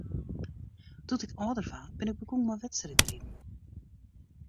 Doe't ik âlder waard, bin ik begûn mei wedstriidriden.